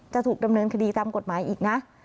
จะถูกดำเนินคดีตามกฎหมายอีกนะ